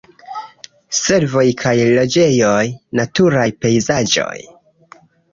Servoj kaj loĝejoj, naturaj pejzaĝoj.